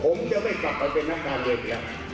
ผมจะไม่กลับไปเป็นนักงานเดียว